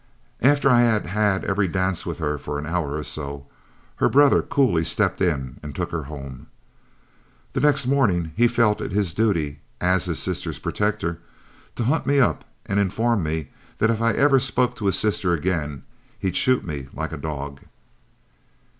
After I had had every dance with her for an hour or so, her brother coolly stepped in and took her home. The next morning he felt it his duty, as his sister's protector, to hunt me up and inform me that if I even spoke to his sister again, he'd shoot me like a dog.